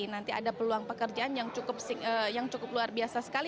nanti ada peluang pekerjaan yang cukup luar biasa sekali